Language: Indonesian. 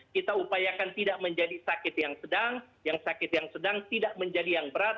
kita upayakan tidak menjadi sakit yang sedang yang sakit yang sedang tidak menjadi yang berat